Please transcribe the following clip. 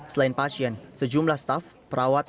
selain pasien sejumlah staff perawat